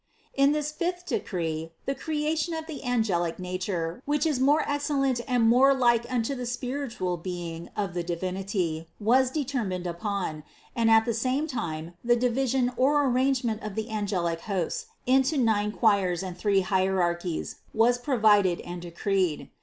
In this fifth decree the creation of the angelic nature which is more excellent and more like unto the spiritual being of the Divinity, was determined upon, and at the same time the division or arrangement of the angelic hosts into nine choirs and three hierarchies, was provided and decreed.